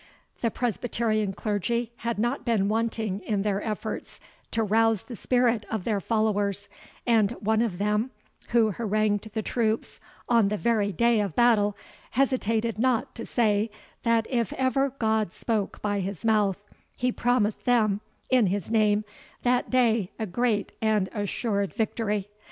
The Presbyterian clergy had not been wanting in their efforts to rouse the spirit of their followers, and one of them, who harangued the troops on the very day of battle, hesitated not to say, that if ever God spoke by his mouth, he promised them, in His name, that day, a great and assured victory.